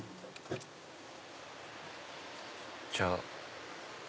じゃあ。